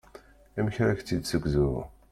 Amek ara k-t-id-ssegzuɣ?